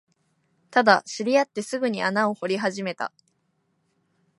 ただ、知り合ってすぐに穴を掘り始めた